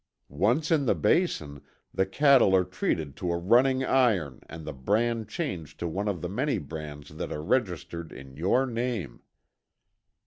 Once in the Basin, the cattle are treated to a running iron and the brand changed to one of the many brands that are registered in your name.